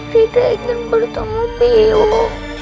tidak ingin bertemu mium